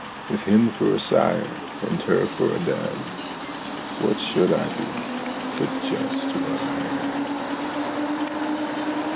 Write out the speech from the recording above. With him for a sire and her for a dam, What should I be but just what I am?